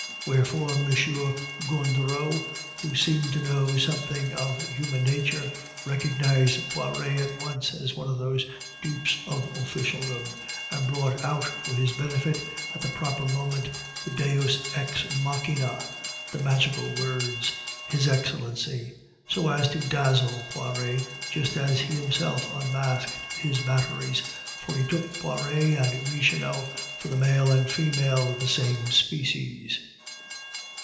Wherefore, M. Gondureau, who seemed to know something of human nature, recognized Poiret at once as one of those dupes of officialdom, and brought out for his benefit, at the proper moment, the deus ex machina, the magical words "His Excellency," so as to dazzle Poiret just as he himself unmasked his batteries, for he took Poiret and the Michonneau for the male and female of the same species.